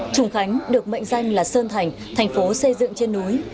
trùng khánh được mệnh danh là sơn thành thành phố xây dựng trên núi